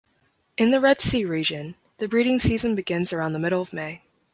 In the Red Sea region, the breeding season begins around the middle of May.